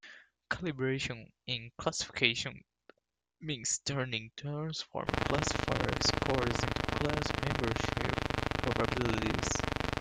Calibration in classification means turning transform classifier scores into class membership probabilities.